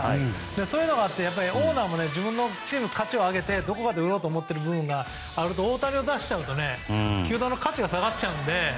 そういうのがあってオーナーも自分のチームの価値を上げてどこかで売ろうと思っている部分があると大谷を出しちゃうと球団の価値が下がっちゃうので。